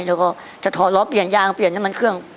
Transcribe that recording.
แล้วก็จะถอดล้อเปลี่ยนยางเปลี่ยนน้ำมันเครื่อง